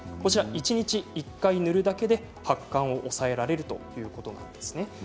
一日１回塗るだけで発汗を抑えられるということなんですね。